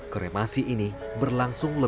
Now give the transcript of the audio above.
kremasi ini berlangsung lukisan